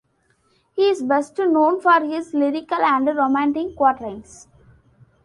He is best known for his lyrical and romantic quatrains.